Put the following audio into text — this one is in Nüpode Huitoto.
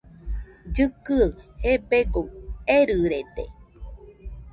Llɨkɨaɨ gebegoɨ erɨrede.